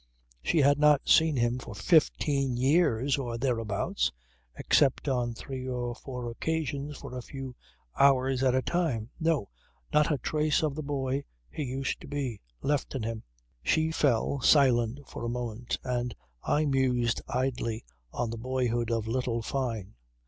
She had not seen him for fifteen years or thereabouts, except on three or four occasions for a few hours at a time. No. Not a trace of the boy, he used to be, left in him. She fell silent for a moment and I mused idly on the boyhood of little Fyne.